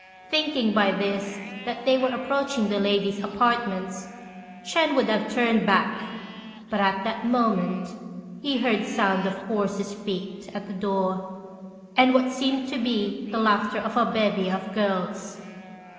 Thinking by this that they were approaching the ladies' apartments, Ch'ên would have turned back, but at that moment he heard sounds of horses' feet at the door, and what seemed to be the laughter of a bevy of girls.